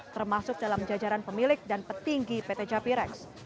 termasuk dalam jajaran pemilik dan petinggi pt japirex